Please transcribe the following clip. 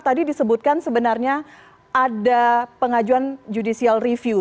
tadi disebutkan sebenarnya ada pengajuan judicial review